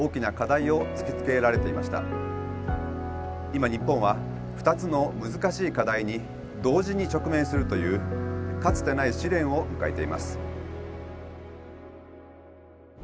今日本は２つの難しい課題に同時に直面するというかつてない試練を迎えています。